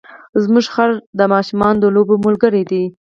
زموږ خر د ماشومانو د لوبو ملګری دی.